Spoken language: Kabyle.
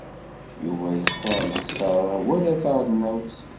Yuba yextar lexsara wala tarennawt.